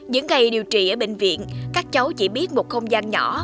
những ngày điều trị ở bệnh viện các cháu chỉ biết một không gian nhỏ